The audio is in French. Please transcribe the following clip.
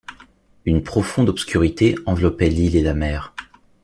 Une profonde obscurité enveloppait l’île et la mer